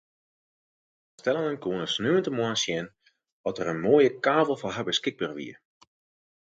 Belangstellenden koene sneontemoarn sjen oft der in moaie kavel foar har beskikber wie.